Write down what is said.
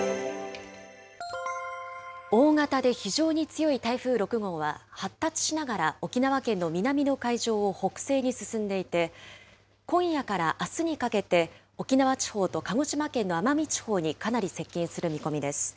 大型で非常に強い台風６号は、発達しながら沖縄県の南の海上を北西に進んでいて、今夜からあすにかけて、沖縄地方と鹿児島県の奄美地方にかなり接近する見込みです。